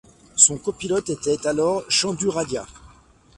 Son copilote était alors Chandu Radia.